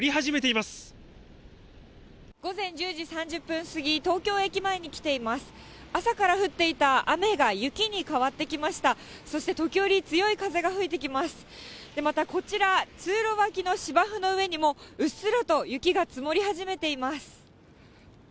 また、こちら、通路脇の芝生の上にもうっすらと雪が積もり始めています。